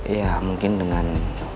ya mungkin dengan